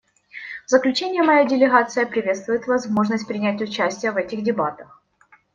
В заключение моя делегация приветствует возможность принять участие в этих дебатах.